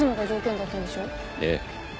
ええ。